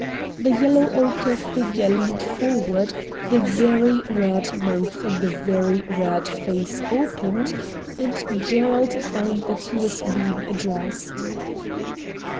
The yellow ochre figure leaned forward, the very red mouth in the very red face opened, and Gerald found that he was being addressed.